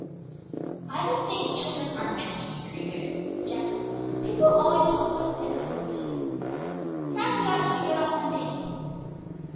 "I don't think children are meant to be very good," said Jack. "People always talk of us as if we're wicked. P'raps we ought to be good on Sundays."